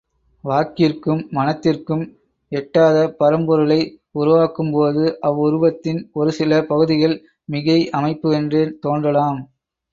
வாக்கிற்கும் மனத்திற்கும் எட்டாத பரம்பொருளை உருவாக்கும்போது அவ்வுருவத்தின் ஒரு சில பகுதிகள் மிகை அமைப்பு என்றே தோன்றலாம்.